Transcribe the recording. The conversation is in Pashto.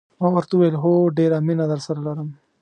ما ورته وویل: هو، ډېره مینه درسره لرم.